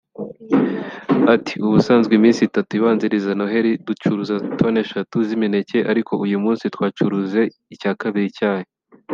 Ati “Ubusanzwe iminsi itatu ibanziriza Noheli ducuruza toni eshatu z’imineke ariko uyu munsi twacuruze icyakabiri cyayo